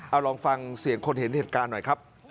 เอาลองฟังเสียงคนเห็นเหตุการณ์หน่อยครับ